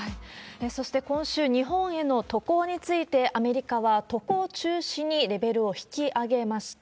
そして今週、日本への渡航について、アメリカは渡航中止にレベルを引き上げました。